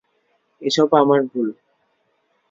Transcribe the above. এসব আমার ভুল।